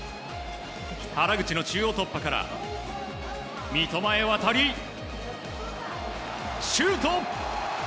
原口の中央突破から三笘へ渡りシュート！